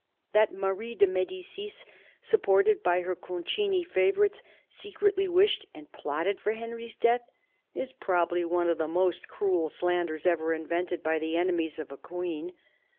That Marie de Mddicis, supported by her Concini favourites, secretly wished and plotted for Henry's death, is probably one of the most cruel slanders ever invented by the enemies of a queen.